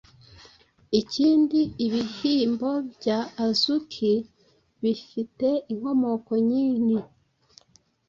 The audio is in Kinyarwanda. Ibindi bihyimbo bya Azuki bifite inkomoko nyinhi